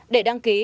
để đăng ký